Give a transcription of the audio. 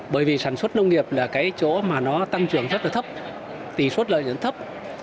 bởi vì sản xuất nông nghiệp là cái chỗ mà nó tăng trưởng rất là thấp tỷ suất lợi nhuận thấp